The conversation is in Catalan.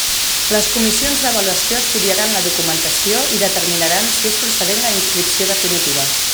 Les comissions d'avaluació estudiaran la documentació i determinaran si és procedent la inscripció definitiva.